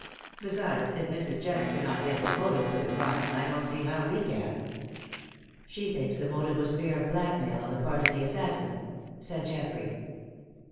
Besides, if Mrs. Jenner cannot guess the motive for the crime, I don't see how we can." "She thinks the motive was fear of blackmail on the part of the assassin," said Geoffrey.